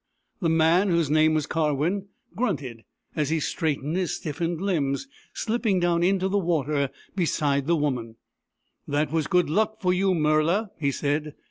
The man, whose name was Karwin, grunted as he straightened his stiffened limbs, slipping down into the water beside the woman " That was good luck for you, Murla," he said.